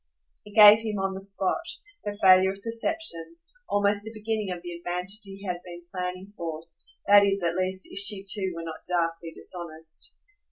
It gave him on the spot, her failure of perception, almost a beginning of the advantage he had been planning for that is at least if she too were not darkly dishonest.